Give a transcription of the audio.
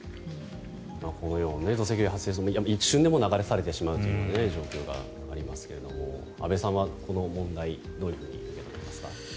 このように土石流が発生すると一瞬で流されてしまうという状況がありますが安部さんは、この問題どういうふうに見ていますか。